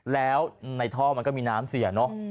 แล้วในท่อมันก็มีน้ำเสียเนอะ